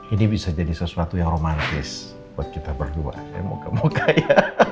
ini bisa jadi sesuatu yang romantis buat kita berdua ya moga moga ya